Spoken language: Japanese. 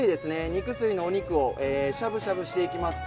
肉吸いのお肉をしゃぶしゃぶしていきます。